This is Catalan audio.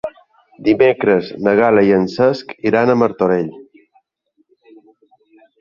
Dimecres na Gal·la i en Cesc iran a Martorell.